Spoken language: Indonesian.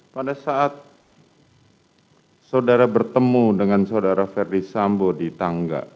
pada saat saudara bertemu dengan saudara ferdi sambo di tangga